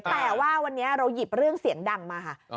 แต่ว่าวันนี้เราหยิบเรื่องเสียงดังมาค่ะ